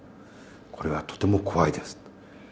これはとても怖いですと。